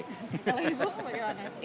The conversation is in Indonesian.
kalau ibu apa gimana